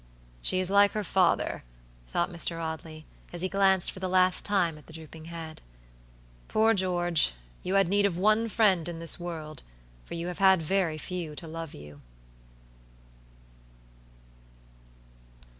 "She is like her father," thought Mr. Audley, as he glanced for the last time at the drooping head. "Poor George, you had need of one friend in this world, for you have had very few to love you."